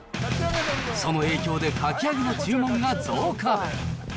その影響でかき揚げの注文が増加。